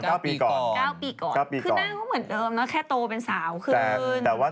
คือนั่นก็เหมือนเดิมเนอะแค่โตเป็นสาวคืนไหวพร้อม